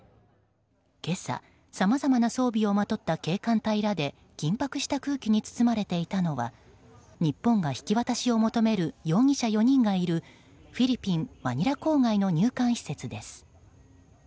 今朝、さまざまな装備をまとった警官隊らで緊迫した空気に包まれていたのは日本が引き渡しを求める容疑者４人がいるフィリピン・マニラ郊外の入管施設です。